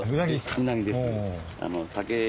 うなぎです。